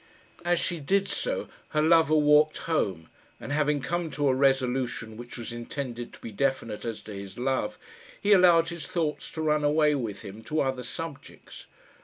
As she did so her lover walked home, and having come to a resolution which was intended to be definite as to his love, he allowed his thoughts to run away with him to other subjects.